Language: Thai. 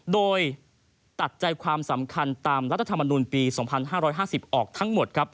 โดยตัดใจความสำคัญตามรัฐธรรมนุนปี๒๕๕๐ออกทั้งหมดครับ